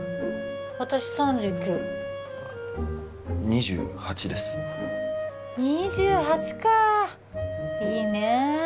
私３９２８です２８かあいいねえ